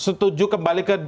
setuju kembali ke